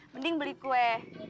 mending beli kue